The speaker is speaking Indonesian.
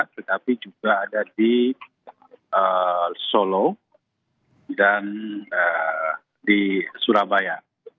tetapi juga ada di solo dan di surabaya